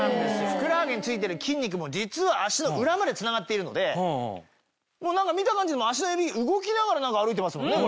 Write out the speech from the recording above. ふくらはぎについてる筋肉も実は足の裏までつながっているので見た感じでも足の指動きながら歩いてますもんね